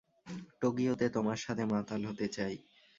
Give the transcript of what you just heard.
টোকিওতে তোমার সাথে মাতাল হতে চাই।